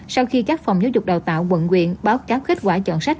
sau khi các phòng giáo dục đào tạo quận quyện báo cáo kết quả chọn sách